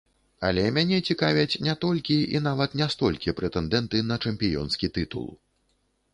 Але мяне цікавяць не толькі і нават не столькі прэтэндэнты на чэмпіёнскі тытул.